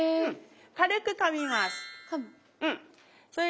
軽くかみます。